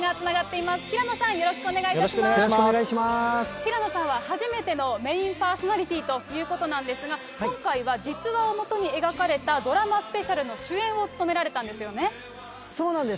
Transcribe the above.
平野さんは初めてのメインパーソナリティーということなんですが、今回は実話をもとに描かれたドラマスペシャルの主演を務められたそうなんです。